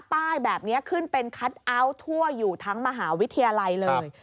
ป้ายแบบนี้ขึ้นเป็นคัทเอาท์ทั่วอยู่ทั้งมหาวิทยาลัยเลย